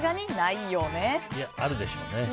いや、あるでしょうね。